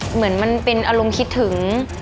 เหมือนมันเป็นอารมณ์คิดถึง